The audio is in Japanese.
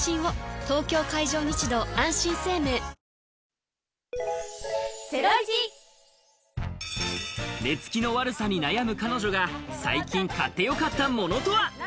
東京海上日動あんしん生命寝つきの悪さに悩む彼女が最近買ってよかったものとは？